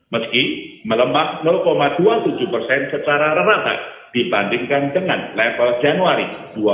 meski melemah dua puluh tujuh persen secara rata dibandingkan dengan level januari dua ribu dua puluh